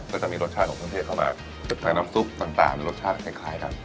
ก็จะมีรสชาติของเทศเข้ามาในน้ำซุปต่างต่างรสชาติคล้ายคล้ายกัน